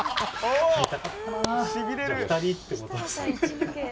２人ってことで。